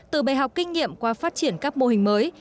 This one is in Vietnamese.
từ bài học kinh nghiệm qua phát triển các mô hình mới